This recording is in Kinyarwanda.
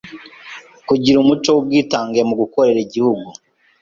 kugira umuco w’ubwitange mu gukorera Igihugu;